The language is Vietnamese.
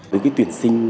với cái tuyển sinh